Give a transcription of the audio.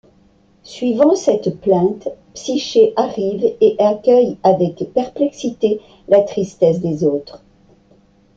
Suivant cette plainte, Psyché arrive et accueille avec perplexité la tristesse des autres.